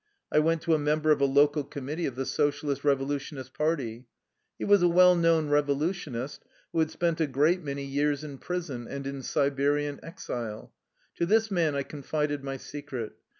I went to a member of a local committee of the Socialist Revolution ists' party. He was a well known revolutionist who had spent a great many years in prison and in Siberian exile. To this man I confided my secret.